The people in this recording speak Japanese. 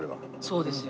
そうですよ。